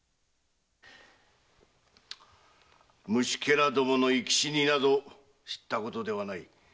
虫ケラどもの生き死になど知ったことではない。